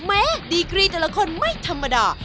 ดีกรีแต่ละคนไม่ธรรมดา